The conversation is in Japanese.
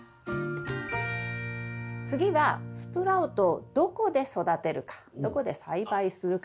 次はスプラウトをどこで育てるかどこで栽培するか。